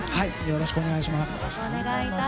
よろしくお願いします。